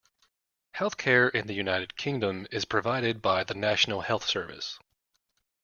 Healthcare in the United Kingdom is provided by the National Health Service